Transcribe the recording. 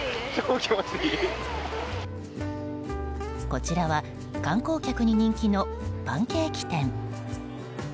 こちらは、観光客に人気のパンケーキ店。